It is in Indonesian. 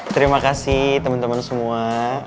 terima kasih teman teman semua